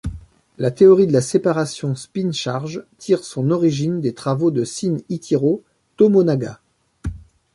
La théorie de la séparation spin-charge tire son origine des travaux de Sin-Itiro Tomonaga.